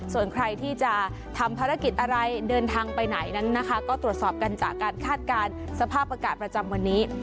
ส่วนใครที่จะทำภารกิจอะไรเดินทางไปไหนนั้นนะคะก็ตรวจสอบกันจากการคาดการณ์สภาพอากาศประจำวันนี้